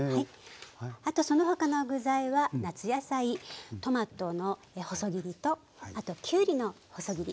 あとその他の具材は夏野菜トマトの細切りときゅうりの細切り。